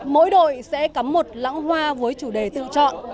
mỗi đội sẽ cắm một lãng hoa với chủ đề tự chọn